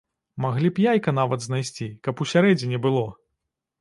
Маглі б яйка нават знайсці, каб усярэдзіне было!